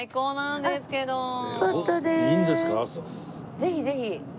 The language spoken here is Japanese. ぜひぜひ。